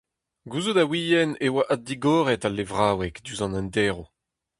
Gouzout a ouien e oa addigoret al levraoueg diouzh an enderv.